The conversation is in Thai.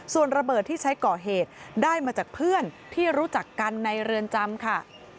ส่วนระเบิดที่ใช้ก่อเหตุได้มาจากเพื่อนที่รู้จักกันในเรือนจำค่ะ